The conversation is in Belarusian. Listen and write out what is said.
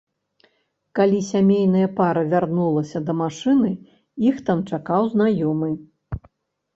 Калі сямейная пара вярнулася да машыны, іх там чакаў знаёмы.